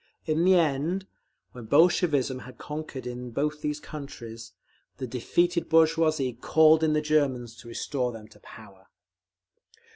In the end, when Bolshevism had conquered in both these countries, the defeated bourgeoisie called in the Germans to restore them to power….